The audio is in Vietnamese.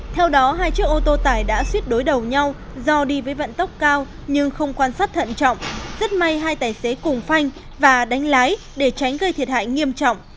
theo đó hai chiếc ô tô tải đã suýt đối đầu nhau do đi với vận tốc cao nhưng không quan sát thận trọng rất may hai tài xế cùng phanh và đánh lái để tránh gây thiệt hại nghiêm trọng